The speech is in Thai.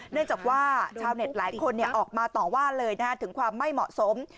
เนื่องจากว่าชาวเน็ตหลายคนออกมาต่อว่าเลยถึงความไม่เหมาะสม